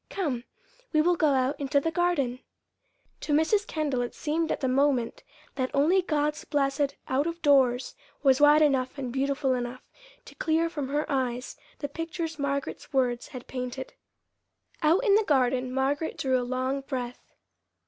Come, we will go out into the garden." To Mrs. Kendall it seemed at the moment that only God's blessed out of doors was wide enough and beautiful enough to clear from her eyes the pictures Margaret's words had painted. Out in the garden Margaret drew a long breath.